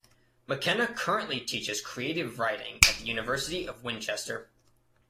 McKenna currently teaches creative writing at the University of Winchester.